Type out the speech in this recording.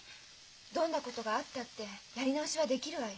どんなことがあったってやり直しはできるわよ。